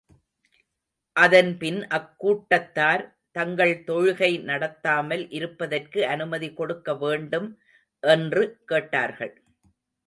அதன் பின், அக்கூட்டத்தார், தாங்கள் தொழுகை நடத்தாமல் இருப்பதற்கு அனுமதி கொடுக்க வேண்டும் என்று கேட்டார்கள்.